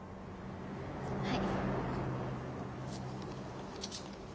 はい。